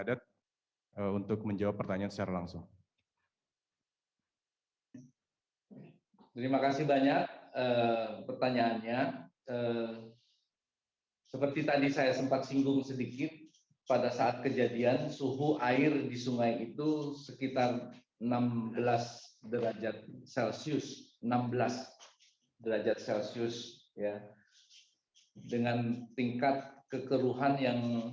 dan kami berkomunikasi dengan old strategy